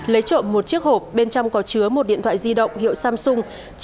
lấy trộm một chiếc hộp bên trong có chứa một điện thoại di động hiệu samsung